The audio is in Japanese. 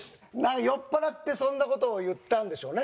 酔っ払ってそんな事を言ったんでしょうね。